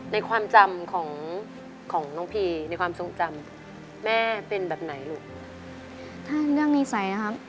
ในความจำของของน้องพีในความทรงจำแม่เป็นแบบไหนลูกถ้าเรื่องนิสัยนะครับ